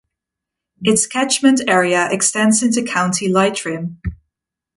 Its catchment area extends into County Leitrim.